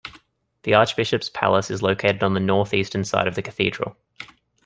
The Archbishop's Palace is located on the northeastern side of the cathedral.